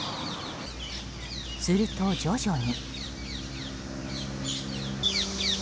すると徐々に。